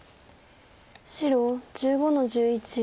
白１５の十一。